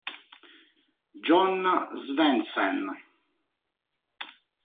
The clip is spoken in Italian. Jon Svendsen